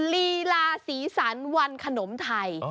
ลีลาศรีสรรวันขนมไทย